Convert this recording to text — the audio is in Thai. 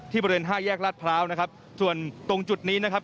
บริเวณห้าแยกลาดพร้าวนะครับส่วนตรงจุดนี้นะครับ